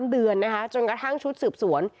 ๓เดือนยังกระทั่งชุดสืบสวน